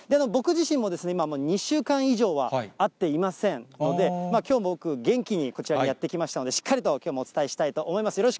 僕自身も今、２週間以上は会っていませんので、きょうも僕、元気にこちらにやって来ましたので、しっかりときょうもお伝えしたいと思います。